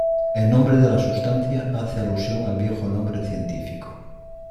El nombre de la sustancia hace alusión al viejo nombre científico.